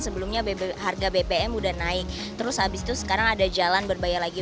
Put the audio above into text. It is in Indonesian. sebelumnya harga bbm udah naik terus habis itu sekarang ada jalan berbayar lagi